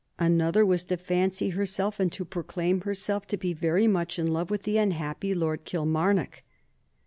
Another was to fancy herself and to proclaim herself to be very much in love with the unhappy Lord Kilmarnock.